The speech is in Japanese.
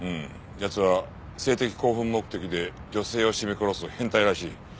奴は性的興奮目的で女性を絞め殺す変態らしい。